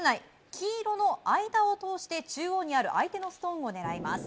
黄色の間を通して、中央にある相手のストーンを狙います。